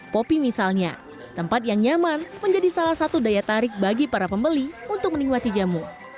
popi misalnya tempat yang nyaman menjadi salah satu daya tarik bagi para pembeli untuk menikmati jamu